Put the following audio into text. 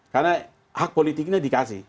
karena hak politiknya dikasih